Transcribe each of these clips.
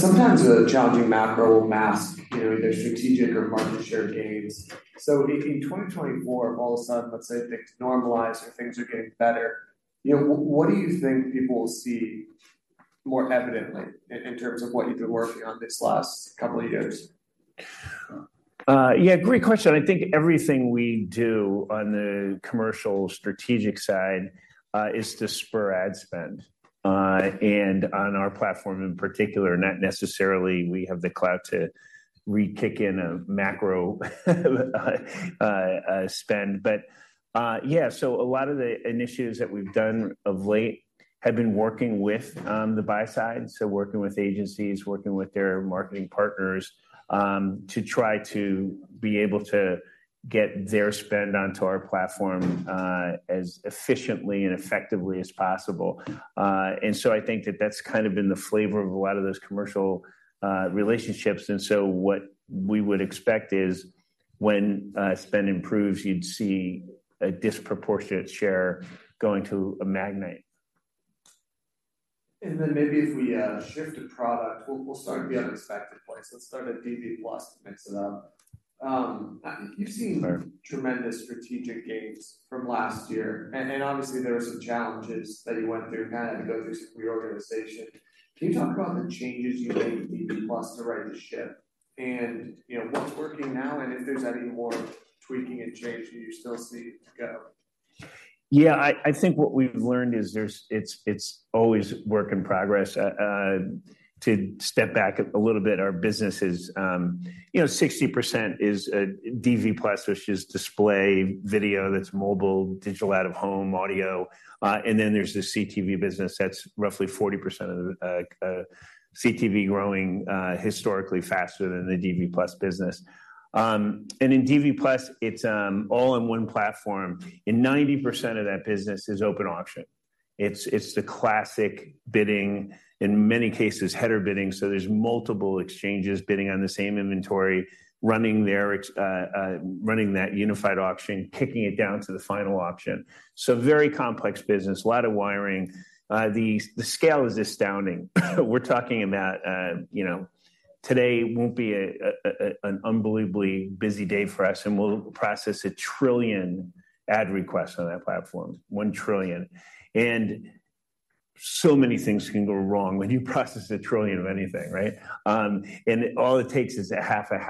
Sometimes a challenging macro will mask, you know, either strategic or market share gains. If in 2024, all of a sudden, let's say things normalize or things are getting better, you know, what do you think people will see more evidently in terms of what you've been working on this last couple of years? Yeah, great question. I think everything we do on the commercial strategic side is to spur ad spend and on our platform in particular, not necessarily we have the clout to rekindle a macro spend. Yeah, so a lot of the initiatives that we've done of late have been working with the buy-side, so working with agencies, working with their marketing partners to try to be able to get their spend onto our platform as efficiently and effectively as possible. I think that that's kind of been the flavor of a lot of those commercial relationships, and so what we would expect is when spend improves, you'd see a disproportionate share going to Magnite. Then maybe if we shift to product, we'll start in the unexpected place. Let's start at DV+ to mix it up. You've seen tremendous strategic gains from last year, and then, obviously, there were some challenges that you went through, had to go through some reorganization. Can you talk about the changes you made in DV+ to right the ship? What's working now, and if there's any more tweaking and change that you still see to go? Yeah, I think what we've learned is there's—it's always work in progress. To step back a little bit, our business is, you know, 60% is DV+, which is display video, that's mobile, digital out of home, audio, and then there's the CTV business, that's roughly 40% of the CTV growing historically faster than the DV+ business. And in DV+, it's all in one platform, and 90% of that business is open auction. It's the classic bidding, in many cases, header bidding, so there's multiple exchanges bidding on the same inventory, running that unified auction, kicking it down to the final auction. Very complex business, a lot of wiring. The scale is astounding. We're talking about, you know, today won't be an unbelievably busy day for us, and we'll process 1 trillion ad requests on that platform, 1 trillion. And so many things can go wrong when you process 1 trillion of anything, right? All it takes is half of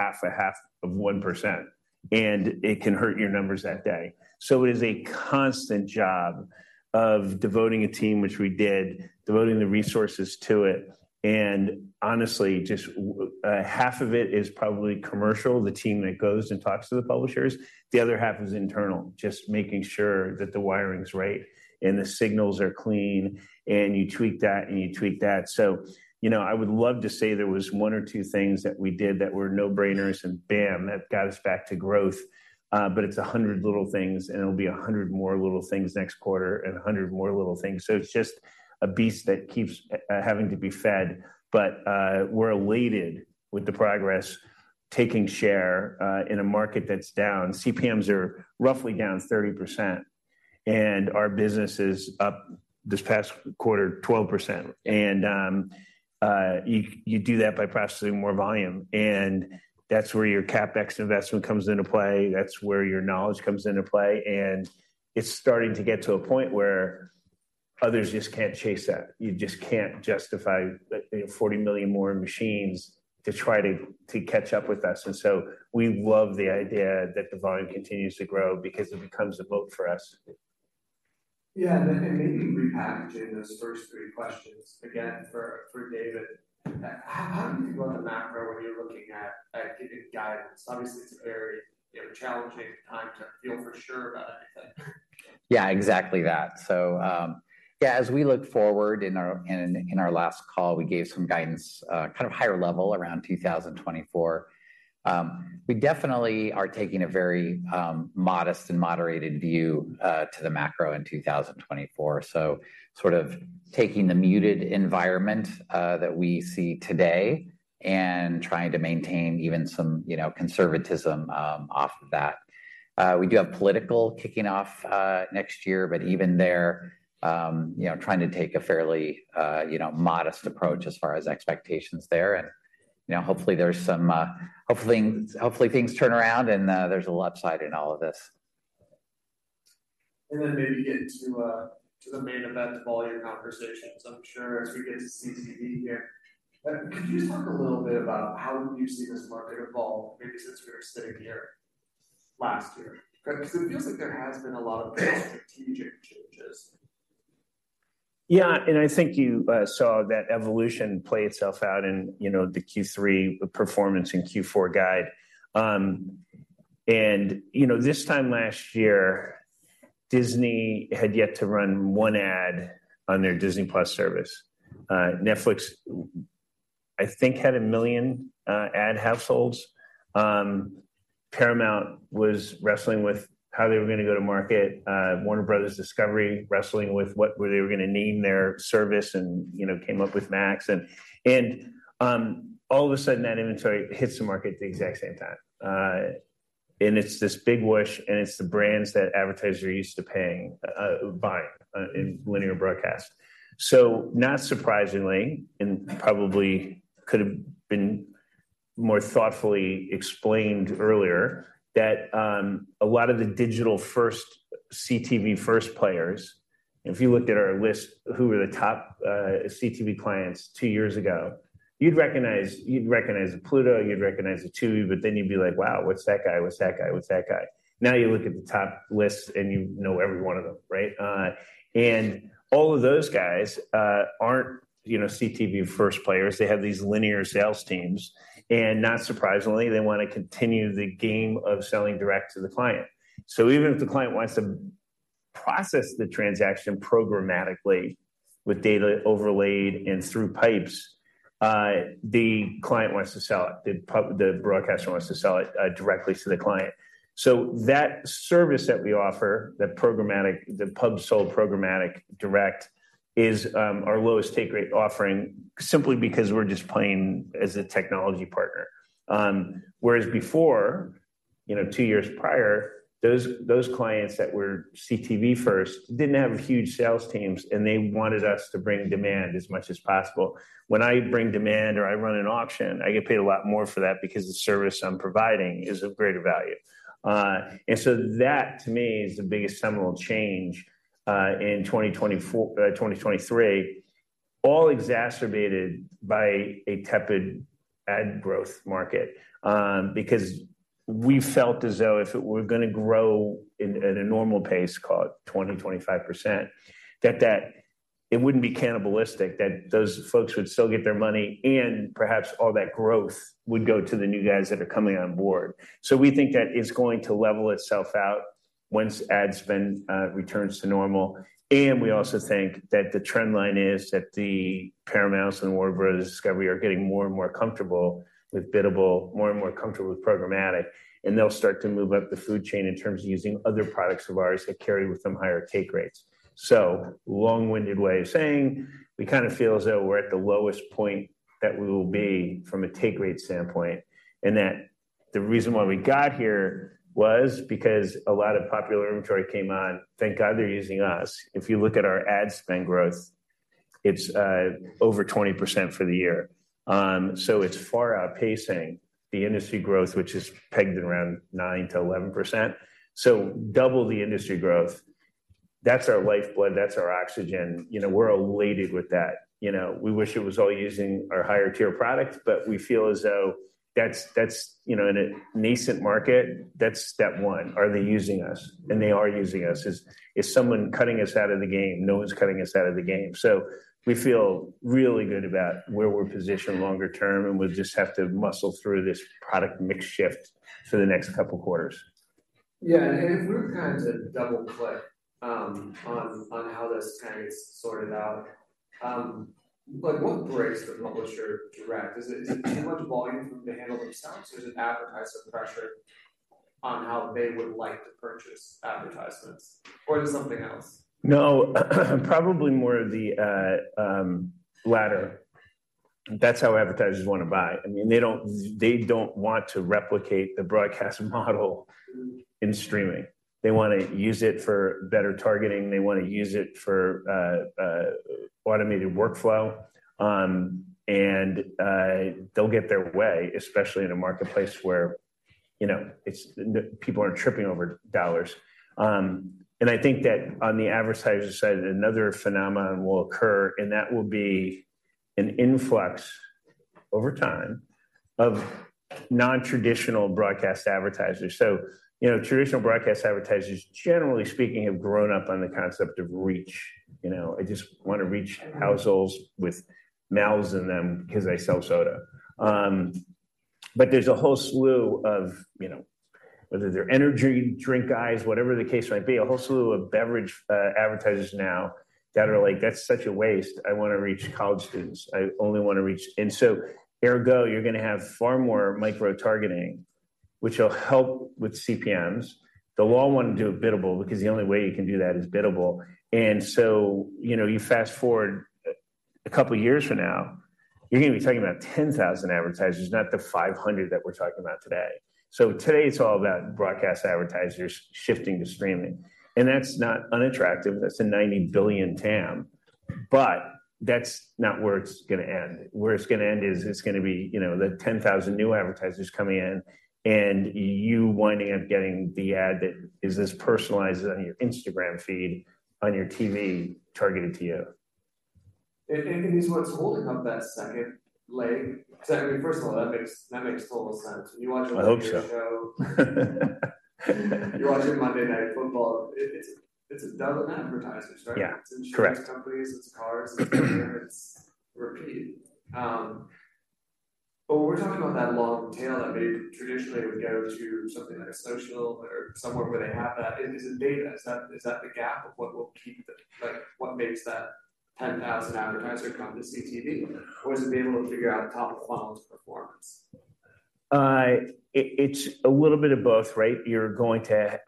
1%, and it can hurt your numbers that day. It is a constant job of devoting a team, which we did, devoting the resources to it, and honestly, just half of it is probably commercial, the team that goes and talks to the publishers. The other half is internal, just making sure that the wiring's right and the signals are clean, and you tweak that, and you tweak that. You know, I would love to say there was one or two things that we did that were no-brainers, and bam, that got us back to growth, but it's 100 little things, and it'll be 100 more little things next quarter and 100 more little things. It's just a beast that keeps having to be fed, but, we're elated with the progress, taking share in a market that's down. CPMs are roughly down 30%, and our business is up this past quarter, 12%. You do that by processing more volume, and that's where your CapEx investment comes into play, that's where your knowledge comes into play, and it's starting to get to a point where others just can't chase that. You just can't justify, like, 40 million more machines to try to catch up with us, and so we love the idea that the volume continues to grow because it becomes a moat for us. Yeah, and maybe repackaging those first three questions again for David. How do you go on the macro when you're looking at giving guidance? Obviously, it's a very, you know, challenging time to feel for sure about anything. Yeah, exactly that. Yeah, as we look forward in our last call, we gave some guidance, kind of higher level around 2024. We definitely are taking a very modest and moderated view to the macro in 2024, so sort of taking the muted environment that we see today and trying to maintain even some, you know, conservatism off of that. We do have politics kicking off next year, but even there, you know, trying to take a fairly, you know, modest approach as far as expectations there. And, you know, hopefully things turn around, and there's an upside in all of this. Then maybe get to, to the main event of all your conversations, I'm sure, as we get to CTV here. Could you talk a little bit about how you see this market evolve, maybe since we were sitting here last year? Because it feels like there has been a lot of strategic changes. Yeah, and I think you saw that evolution play itself out in, you know, the Q3 performance and Q4 guide. This time last year, Disney had yet to run 1 ad on their Disney+ service. Netflix, I think, had 1 million ad households. Paramount was wrestling with how they were gonna go to market. Warner Bros. Discovery was wrestling with what they were gonna name their service and, you know, came up with Max. All of a sudden, that inventory hits the market the exact same time. And it's this big wish, and it's the brands that advertisers are used to paying, buying, in linear broadcast. So not surprisingly, and probably could have been more thoughtfully explained earlier, that, a lot of the digital-first, CTV-first players, if you looked at our list, who were the top CTV clients two years ago, you'd recognize, you'd recognize a Pluto, you'd recognize a Tubi, but then you'd be like: "Wow, what's that guy? What's that guy? What's that guy?" Now, you look at the top list, and you know every one of them, right? All of those guys aren't, you know, CTV-first players. They have these linear sales teams, and not surprisingly, they want to continue the game of selling direct to the client. So even if the client wants to process the transaction programmatically with data overlaid and through pipes, the client wants to sell it. The broadcaster wants to sell it directly to the client. That service that we offer, that programmatic, the pub-sold programmatic direct, is our lowest take rate offering, simply because we're just playing as a technology partner. Whereas before, you know, two years prior, those clients that were CTV-first didn't have huge sales teams, and they wanted us to bring demand as much as possible. When I bring demand or I run an auction, I get paid a lot more for that because the service I'm providing is of greater value. And so that, to me, is the biggest seminal change in 2024, 2023, all exacerbated by a tepid ad growth market. Because we felt as though if it were gonna grow in at a normal pace, call it 20-25%, that it wouldn't be cannibalistic, that those folks would still get their money, and perhaps all that growth would go to the new guys that are coming on board. We think that it's going to level itself out once ad spend returns to normal. And we also think that the trend line is that the Paramounts and Warner Bros. Discovery are getting more and more comfortable with biddable, more and more comfortable with programmatic, and they'll start to move up the food chain in terms of using other products of ours that carry with them higher take rates. Long-winded way of saying, we feel as though we're at the lowest point that we will be from a take rate standpoint, and that the reason why we got here was because a lot of popular inventory came on. Thank God they're using us. If you look at our ad spend growth, it's over 20% for the year. So it's far outpacing the industry growth, which is pegged around 9%-11%. So double the industry growth. That's our lifeblood, that's our oxygen. You know, we're elated with that. You know, we wish it was all using our higher-tier product, but we feel as though that's, that's, you know, in a nascent market, that's step one: Are they using us? And they are using us. Is, is someone cutting us out of the game? No one's cutting us out of the game. We feel really good about where we're positioned longer term, and we'll just have to muscle through this product mix shift for the next couple quarters. Yeah, and if we kinda double-click on how this kind of gets sorted out, like, what breaks the publisher direct? Is it too much volume for them to handle themselves? There's an advertiser pressure on how they would like to purchase advertisements, or is it something else? No, probably more of the latter. That's how advertisers want to buy. I mean, they don't, they don't want to replicate the broadcast model in streaming. They want to use it for better targeting. They want to use it for automated workflow, and they'll get their way, especially in a marketplace where, you know, it's people aren't tripping over dollars. I think that on the advertiser side, another phenomenon will occur, and that will be an influx over time of non-traditional broadcast advertisers. Traditional broadcast advertisers, generally speaking, have grown up on the concept of reach. I just want to reach households with mouths in them because I sell soda. There's a whole slew of, you know, whether they're energy drink guys, whatever the case might be, a whole slew of beverage advertisers now that are like: "That's such a waste. I want to reach college students. I only want to reach ergo, you're gonna have far more micro-targeting, which will help with CPMs. They'll all want to do biddable, because the only way you can do that is biddable. You fast-forward a couple of years from now, you're gonna be talking about 10,000 advertisers, not the 500 that we're talking about today. So today, it's all about broadcast advertisers shifting to streaming, and that's not unattractive. That's a $90 billion TAM, but that's not where it's gonna end. Where it's gonna end is it's gonna be, you know, the 10,000 new advertisers coming in, and you winding up getting the ad that is as personalized on your Instagram feed, on your TV, targeted to you. Is what's holding up that second leg? Because, I mean, first of all, that makes total sense. When you watch a show- I hope so. .You're watching Monday Night Football. It's a dozen advertisers, right? Yeah, correct. It's insurance companies, it's cars, it's repeat, but when we're talking about that long tail, I mean, traditionally, it would go to something like social or somewhere where they have that. Is it data? Is that the gap of what will keep the, like, what makes that 10,000 advertisers come to CTV? Or is it being able to figure out top-of-funnel performance? It, it's a little bit of both, right? You're going to,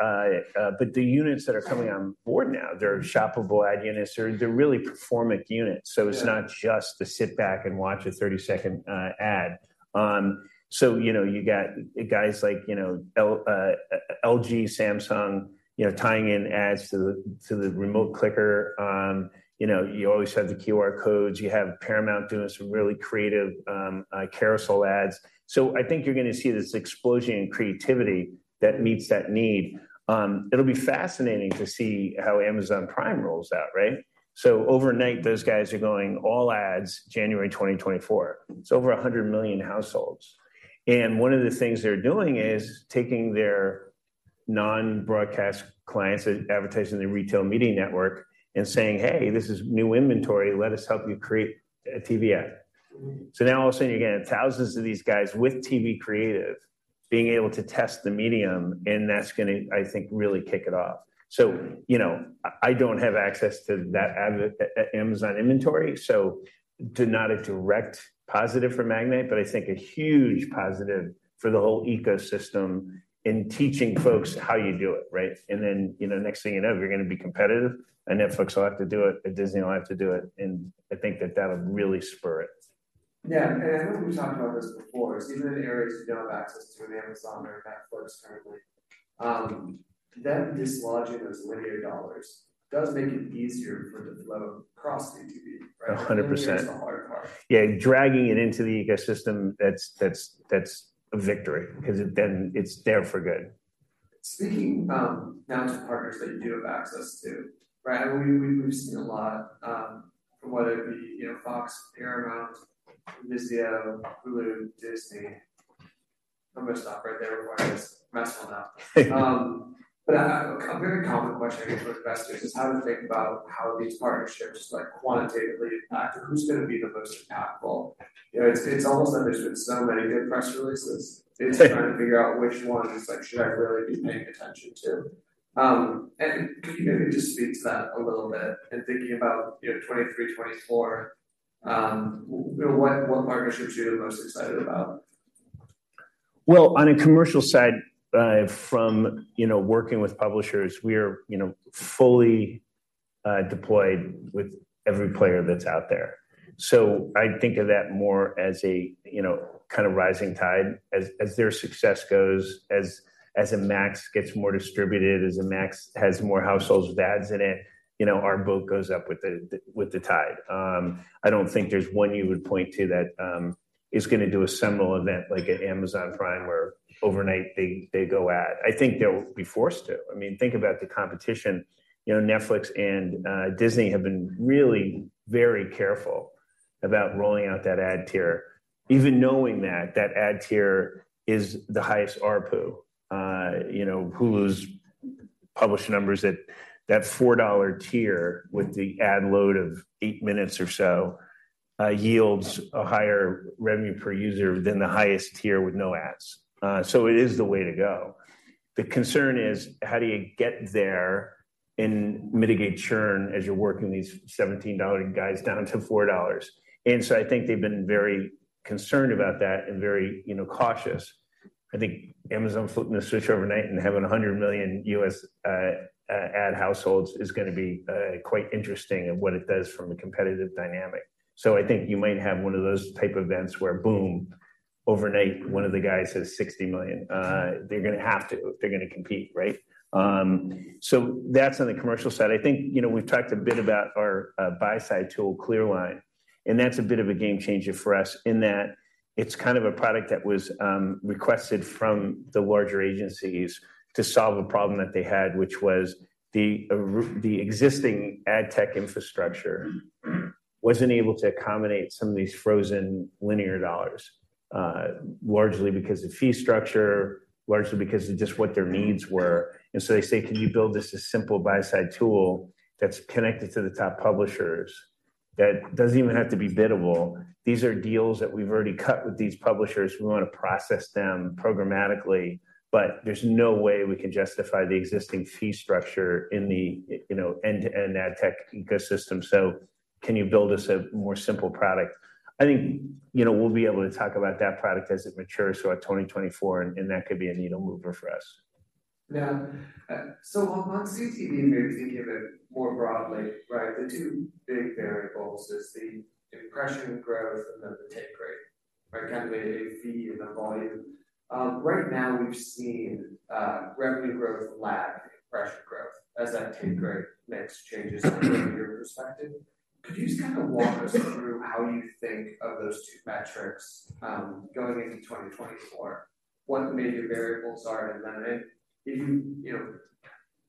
but the units that are coming on board now, they're shoppable ad units, or they're really performant units. So it's not just to sit back and watch a 30-second ad. So, you know, you got guys like, you know, LG, Samsung, you know, tying in ads to the remote clicker. You know, you always have the QR codes. You have Paramount doing some really creative carousel ads. So I think you're gonna see this explosion in creativity that meets that need. It'll be fascinating to see how Amazon Prime rolls out, right? So overnight, those guys are going all ads, January 2024. It's over 100 million households, and one of the things they're doing is taking their non-broadcast clients that advertise in the retail media network and saying, "Hey, this is new inventory. Let us help you create a TV ad." So now, all of a sudden, you're getting thousands of these guys with TV creative being able to test the medium, and that's gonna, I think, really kick it off. I don't have access to that Amazon ad inventory, so it's not a direct positive for Magnite, but I think a huge positive for the whole ecosystem in teaching folks how you do it, right? And then, you know, next thing you know, you're gonna be competitive, and Netflix will have to do it, and Disney will have to do it, and I think that that'll really spur it. Yeah, and I know we've talked about this before, so even in areas you don't have access to an Amazon or a Netflix currently, them dislodging those linear dollars does make it easier for the flow across the TV, right? 100%. That's the hard part. Yeah, dragging it into the ecosystem, that's a victory because it then it's there for good. Speaking now to partners that you do have access to, right? We've seen a lot from whether it be, you know, Fox, Paramount, Disney, Hulu, Disney. I'm gonna stop right there before I just mess it up. But a very common question I get from investors is how to think about how these partnerships, like, quantitatively impact, who's gonna be the most impactful? You know, it's almost like there's been so many good press releases. Yeah. It's trying to figure out which one is like, should I really be paying attention to. And if you could just speak to that a little bit and thinking about, you know, 2023, 2024, you know, what partnerships are you the most excited about? Well, on a commercial side, from you know, working with publishers, we're, you know, fully deployed with every player that's out there. So I think of that more as a, you know, kind of rising tide. As their success goes, as Max gets more distributed, as Max has more households with ads in it, you know, our boat goes up with the tide. I don't think there's one you would point to that is gonna do a seminal event like at Amazon Prime, where overnight they, they go ad. I think they'll be forced to. I mean, think about the competition. You know, Netflix and Disney have been really very careful about rolling out that ad tier, even knowing that that ad tier is the highest ARPU. You know, Hulu's published numbers that, that $4 tier with the ad load of 8 minutes or so yields a higher revenue per user than the highest tier with no ads. So it is the way to go. The concern is, how do you get there and mitigate churn as you're working these $17 guys down to $4? They've been very concerned about that and very, you know, cautious. I think Amazon flipping a switch overnight and having 100 million US ad households is gonna be quite interesting in what it does from a competitive dynamic. I think you might have one of those type of events where, boom, overnight, one of the guys has 60 million. They're gonna have to if they're gonna compete, right? So that's on the commercial side. We've talked a bit about our buy-side tool, ClearLine, and that's a bit of a game changer for us in that it's kind of a product that was requested from the larger agencies to solve a problem that they had, which was the existing ad tech infrastructure wasn't able to accommodate some of these frozen linear dollars, largely because of fee structure, largely because of just what their needs were. They say: "Can you build just a simple buy-side tool that's connected to the top publishers, that doesn't even have to be biddable? These are deals that we've already cut with these publishers. We wanna process them programmatically, but there's no way we can justify the existing fee structure in the, you know, end-to-end ad tech ecosystem. “Can you build us a more simple product?” I think, you know, we’ll be able to talk about that product as it matures throughout 2024, and that could be a needle mover for us. Yeah. On CTV, if you think of it more broadly, right, the two big variables is the impression growth and then the take rate, right? Kind of a fee and the volume. Right now we've seen revenue growth lag impression growth as that take rate mix changes from your perspective. Could you just kind of walk us through how you think of those two metrics, going into 2024, what the major variables are, and then if you know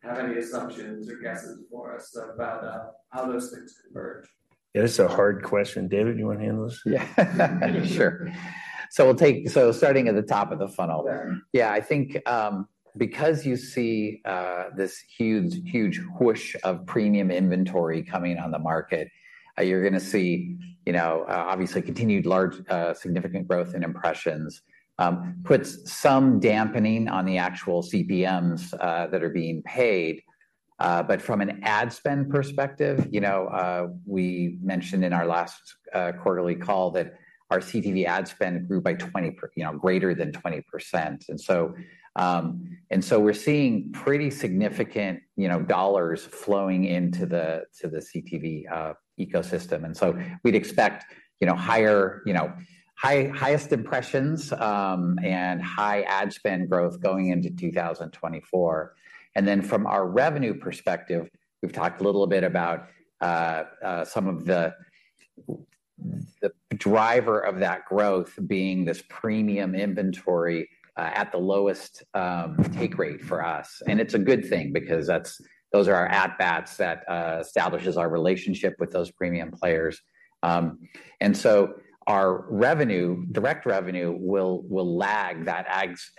have any assumptions or guesses for us about how those things converge? Yeah, that's a hard question. David, you wanna handle this? Yeah, sure. Starting at the top of the funnel there. Yeah, I think, because you see, this huge, huge whoosh of premium inventory coming on the market, you're gonna see, you know, obviously continued large, significant growth in impressions, puts some dampening on the actual CPMs that are being paid. From an ad spend perspective, you know, we mentioned in our last, quarterly call that our CTV ad spend grew by 20, you know, greater than 20%. And so, and so we're seeing pretty significant, you know, dollars flowing into the, to the CTV, ecosystem. We'd expect, you know, higher, you know, highest impressions, and high ad spend growth going into 2024. From our revenue perspective, we've talked a little bit about some of the driver of that growth being this premium inventory at the lowest take rate for us. And it's a good thing because that's those are our at bats that establishes our relationship with those premium players. Our revenue, direct revenue, will lag that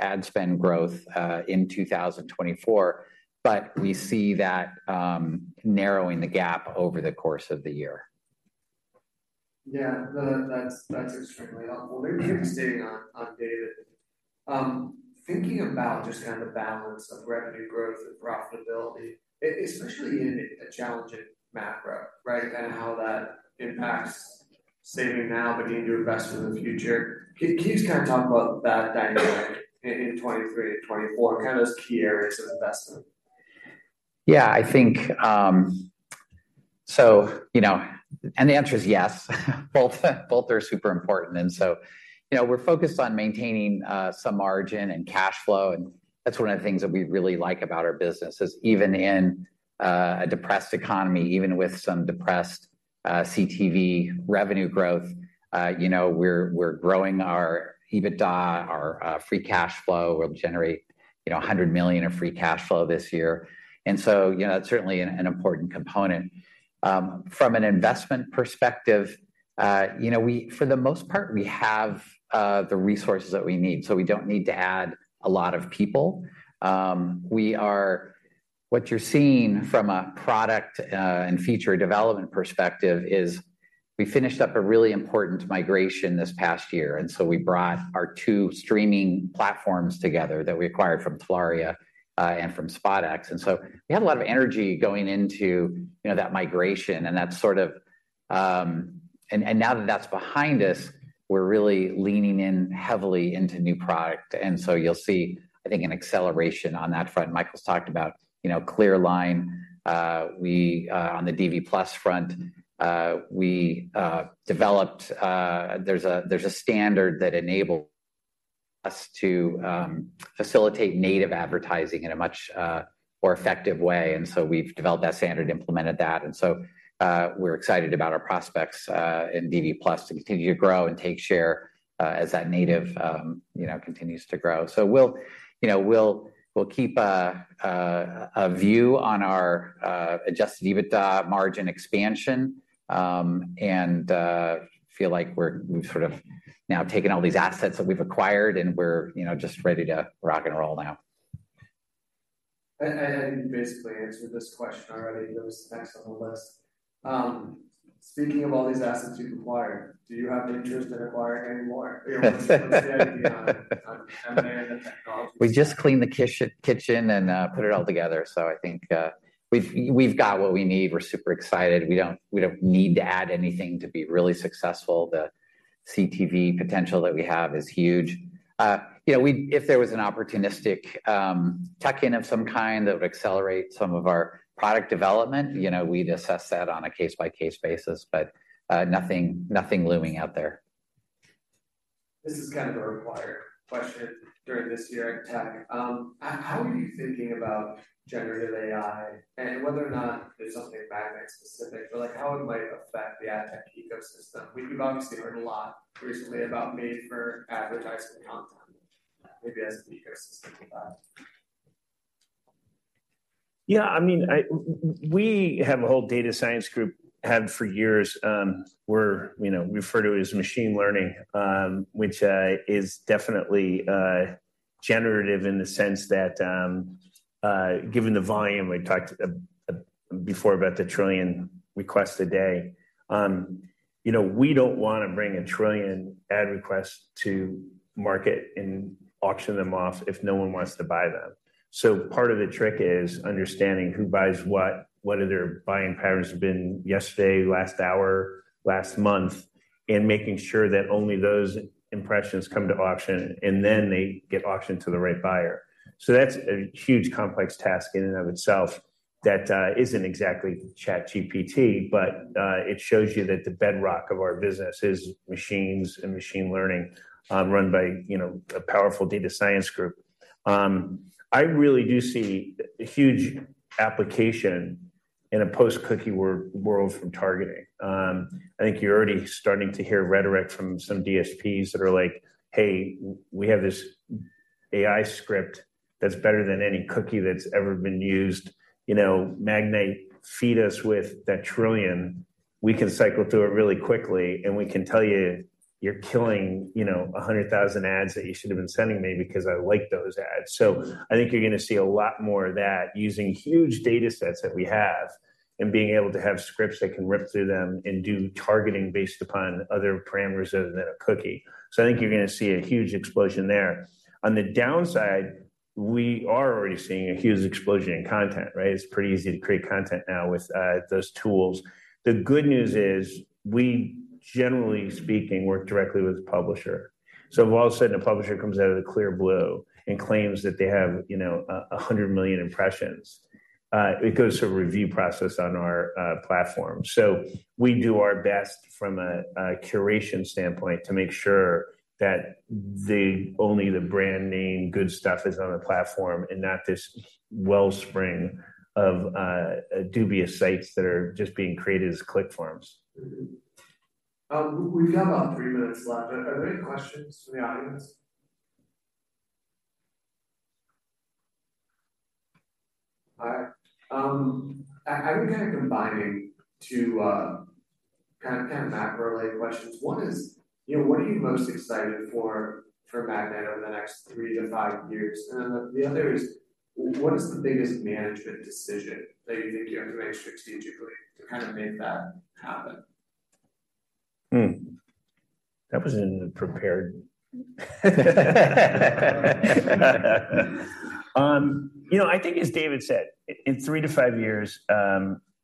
ad spend growth in 2024, but we see that narrowing the gap over the course of the year. Yeah, that's extremely helpful. Maybe staying on David. Thinking about just kind of the balance of revenue growth and profitability, especially in a challenging macro, right? And how that impacts saving now, but need to invest for the future. Can you just kind of talk about that dynamic in 2023 to 2024, kind of those key areas of investment? Yeah, I think. You know, and the answer is yes, both, both are super important. And so, you know, we're focused on maintaining some margin and cash flow, and that's one of the things that we really like about our business, is even in a depressed economy, even with some depressed CTV revenue growth, you know, we're growing our EBITDA, our free cash flow. We'll generate, you know, $100 million of free cash flow this year. It's certainly an important component. From an investment perspective, you know, for the most part, we have the resources that we need, so we don't need to add a lot of people. What you're seeing from a product and feature development perspective is we finished up a really important migration this past year, and so we brought our two streaming platforms together that we acquired from Telaria and from SpotX. We had a lot of energy going into, you know, that migration, and that's sort of... Now that that's behind us, we're really leaning in heavily into new product. So you'll see, I think, an acceleration on that front. Michael's talked about, you know, ClearLine. On the DV+ front, we developed. There's a standard that enables us to facilitate native advertising in a much more effective way, and so we've developed that standard, implemented that. We're excited about our prospects in DV+ to continue to grow and take share, as that native, you know, continues to grow. We'll, you know, we'll keep a view on our adjusted EBITDA margin expansion, and feel like we're, we've sort of now taken all these assets that we've acquired, and we're, you know, just ready to rock and roll now. You basically answered this question already. It was next on the list. Speaking of all these assets you've acquired, do you have an interest in acquiring any more?... We just cleaned the kitchen and put it all together. So I think we've got what we need. We're super excited. We don't need to add anything to be really successful. The CTV potential that we have is huge. You know, if there was an opportunistic tuck-in of some kind that would accelerate some of our product development, you know, we'd assess that on a case-by-case basis, but nothing looming out there. This is kind of a required question during this year in tech. How are you thinking about generative AI and whether or not there's something specific, but, like, how it might affect the Ad Tech ecosystem? We've obviously heard a lot recently about made-for-advertising content, maybe as an ecosystem for that. Yeah, I mean, we have a whole data science group, had for years, we're, you know, refer to it as machine learning, which is definitely generative in the sense that, given the volume, we talked before about the 1 trillion requests a day. We don't want to bring a 1 trillion ad requests to market and auction them off if no one wants to buy them. Part of the trick is understanding who buys what, what are their buying patterns have been yesterday, last hour, last month, and making sure that only those impressions come to auction, and then they get auctioned to the right buyer. That's a huge, complex task in and of itself that isn't exactly ChatGPT, but it shows you that the bedrock of our business is machines and machine learning, run by, you know, a powerful data science group. I really do see a huge application in a post-cookie world from targeting. I think you're already starting to hear rhetoric from some DSPs that are like: Hey, we have this AI script that's better than any cookie that's ever been used. Magnite, feed us with that trillion, we can cycle through it really quickly, and we can tell you, you're killing, you know, 100,000 ads that you should have been sending me because I like those ads. You're gonna see a lot more of that using huge data sets that we have and being able to have scripts that can rip through them and do targeting based upon other parameters other than a cookie. You're gonna see a huge explosion there. On the downside, we are already seeing a huge explosion in content, right? It's pretty easy to create content now with those tools. The good news is, we, generally speaking, work directly with the publisher. If all of a sudden a publisher comes out of the clear blue and claims that they have, you know, 100 million impressions, it goes through a review process on our platform. We do our best from a curation standpoint to make sure that only the brand name good stuff is on the platform, and not this wellspring of dubious sites that are just being created as click farms. We have about three minutes left. Are there any questions from the audience? I've been kinda combining two kind of macro-related questions. One is, you know, what are you most excited for, for Magnite over the next 3-5 years? Then the other is, what is the biggest management decision that you think you have to make strategically to kind of make that happen? As David said, in 3-5 years,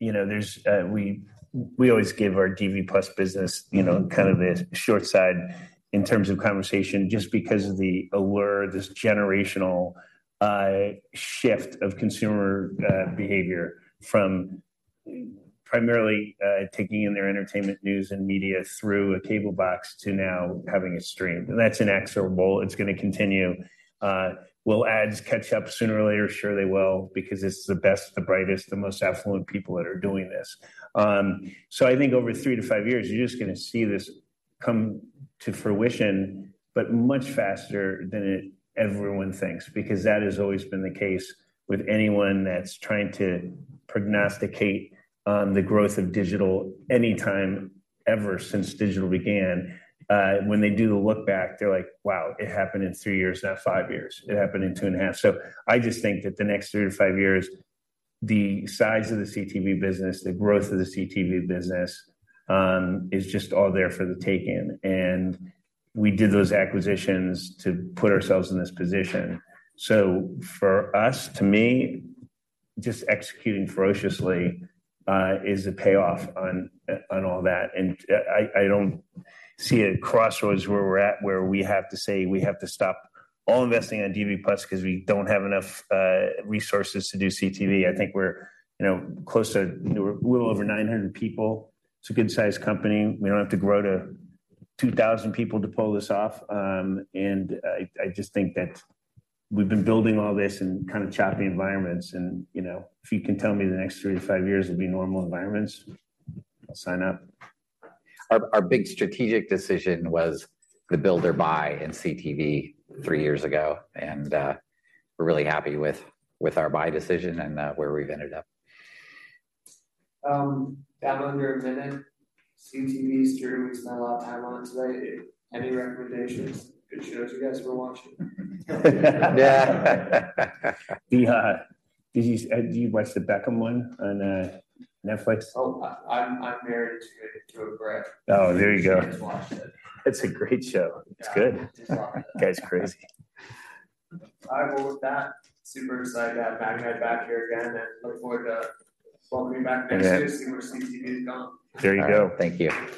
you know, there's, we always give our DV+ business, you know, kind of the short side in terms of conversation, just because of the allure, this generational shift of consumer behavior from primarily taking in their entertainment, news, and media through a cable box, to now having it streamed. That's inexorable, it's gonna continue. Will ads catch up sooner or later? Sure, they will, because it's the best, the brightest, the most affluent people that are doing this. Over 3-5 years, you're just gonna see this come to fruition, but much faster than everyone thinks, because that has always been the case with anyone that's trying to prognosticate on the growth of digital, anytime, ever since digital began. When they do the look back, they're like: "Wow, it happened in 3 years, not 5 years. It happened in 2.5." So I just think that the next 3-5 years, the size of the CTV business, the growth of the CTV business, is just all there for the taking. We did those acquisitions to put ourselves in this position. So for us, to me, just executing ferociously, is a payoff on, on all that. I don't see a crossroads where we're at, where we have to say we have to stop all investing on DV+ 'cause we don't have enough resources to do CTV. I think we're, you know, close to, you know, a little over 900 people. It's a good-sized company. We don't have to grow to 2,000 people to pull this off. And I just think that we've been building all this in kind of choppy environments and, you know, if you can tell me the next 3-5 years will be normal environments, I'll sign up. Our big strategic decision was the build or buy in CTV three years ago, and we're really happy with our buy decision and where we've ended up. Down under a minute. CTV streaming, we spent a lot of time on it today. Any recommendations, good shows you guys were watching? Yeah. Did you watch the Beckham one on Netflix? Oh, I'm married to a Brit. Oh, there you go. She's watched it. It's a great show. Yeah. It's good. The guy's crazy. I will, with that, super excited to have Magnite back here again, and look forward to welcoming you back next year to see where CTV is going. There you go. Thank you.